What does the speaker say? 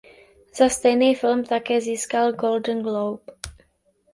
Za stejný film také získal Golden Globe.